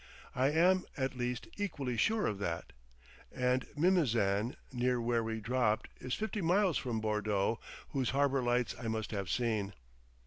I am, at least, equally sure of that. And Mimizan, near where we dropped, is fifty miles from Bordeaux, whose harbour lights I must have seen.